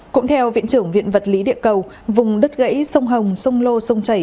cũng theo viện trưởng viện vật lý địa cầu vùng đất gãy sông hồng sông lô sông chảy